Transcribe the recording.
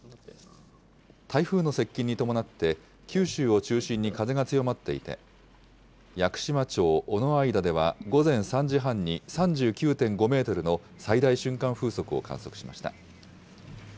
台風の接近に伴って、九州を中心に風が強まっていて、屋久島町尾之間では午前３時半に３９．５メートルの最大瞬間風速を観測しました。